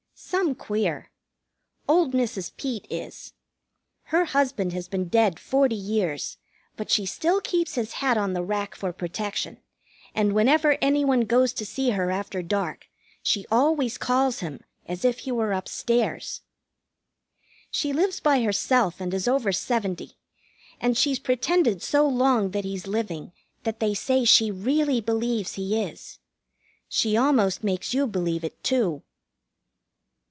Some queer. Old Mrs. Peet is. Her husband has been dead forty years, but she still keeps his hat on the rack for protection, and whenever any one goes to see her after dark she always calls him, as if he were upstairs. She lives by herself and is over seventy, and she's pretended so long that he's living that they say she really believes he is. She almost makes you believe it, too.